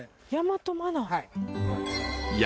はい。